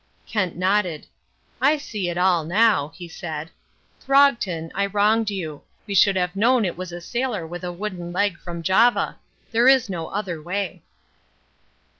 Kent nodded. "I see it all now," he said. "Throgton, I wronged you. We should have known it was a sailor with a wooden leg from Java. There is no other way."